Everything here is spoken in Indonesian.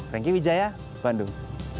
renky widjaya bandung